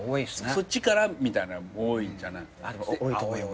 そっちからみたいな多いじゃない。